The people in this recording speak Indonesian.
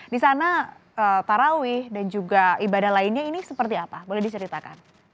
di sana tarawih dan juga ibadah lainnya ini seperti apa boleh diceritakan